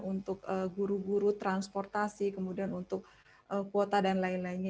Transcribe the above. untuk guru guru transportasi kemudian untuk kuota dan lain lainnya